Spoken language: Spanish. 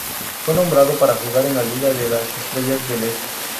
Fue nombrado para jugar en la liga de las estrellas del este.